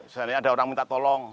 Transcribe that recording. seandainya ada orang minta tolong